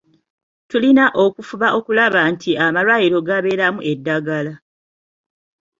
Tulina okufuba okulaba nti amalwaliro gabeeramu eddagala.